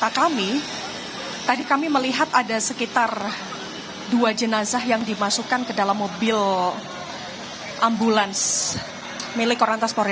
kata kami tadi kami melihat ada sekitar dua jenazah yang dimasukkan ke dalam mobil ambulans milik korlantas polri